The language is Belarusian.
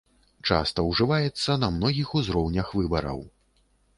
Часта ўжываецца на многіх узроўнях выбараў.